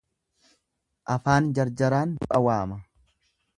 Afaan jarjaraan du'a waama.